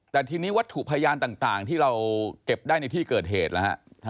แต่ทีนี้วัตถุพยานต่างที่เราเก็บได้ในที่เกิดเหตุนะฮะ